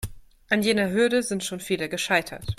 An jener Hürde sind schon viele gescheitert.